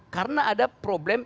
karena ada problem